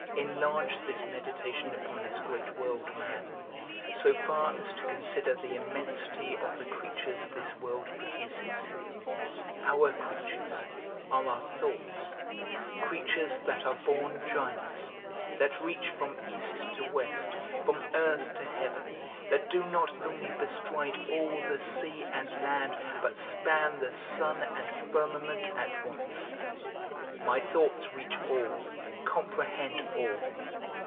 Enlarge this meditation upon this great world, man, so far as to consider the immensity of the creatures this world produces; our creatures are our thoughts, creatures that are born giants; that reach from east to west, from earth to heaven; that do not only bestride all the sea and land, but span the sun and firmament at once; my thoughts reach all, comprehend all.